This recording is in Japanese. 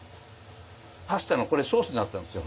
パスタのこれソースになったんですよ。